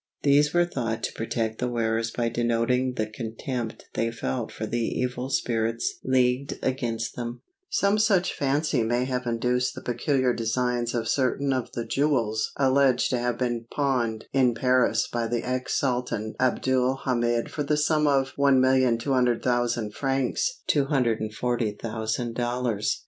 These were thought to protect the wearers by denoting the contempt they felt for the evil spirits leagued against them. Some such fancy may have induced the peculiar designs of certain of the jewels alleged to have been pawned in Paris by the ex Sultan Abdul Hamid for the sum of 1,200,000 francs ($240,000).